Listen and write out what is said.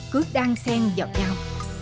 cứ đang sen vào nhau